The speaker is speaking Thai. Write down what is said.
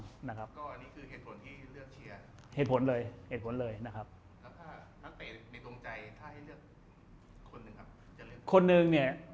อันนี้คือเหตุผลที่เรียบเชียร